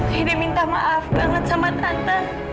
akhirnya minta maaf banget sama tante